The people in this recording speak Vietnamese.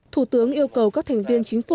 thủ tướng yêu cầu các thành viên chính phủ